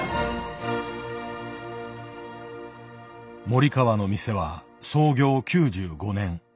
森川の店は創業９５年。